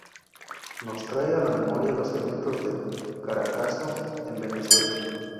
Nos trae a la memoria los eventos del Caracazo en Venezuela.